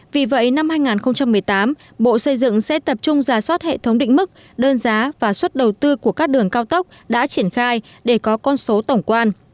vì vậy năm hai nghìn một mươi tám bộ xây dựng sẽ tập trung giả soát hệ thống định mức đơn giá và suất đầu tư của các đường cao tốc đã triển khai để có con số tổng quan